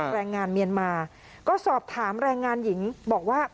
แรงงานเมียนมาก็สอบถามแรงงานหญิงบอกว่า